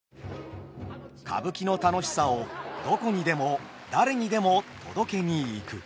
歌舞伎の楽しさをどこにでも誰にでも届けに行く。